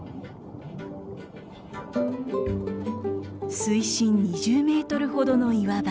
水深２０メートルほどの岩場。